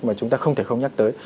mà chúng ta không thể không nhắc tới